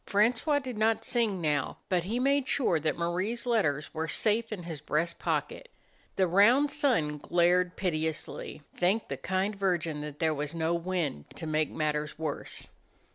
Francois did not sing now, but he made sure that Marie's letters were safe 40 A DOG OF THE NORTHLAND in his breast pocket. The round sun glared pitilessly; thank the kind Virgin that there was no wind to make matters worse.